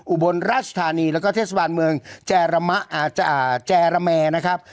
อุบลราชธานีแล้วก็เทศบาลเมืองแจระแมนะครับ